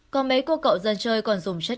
còn mấy cô cậu dân chơi còn dùng chất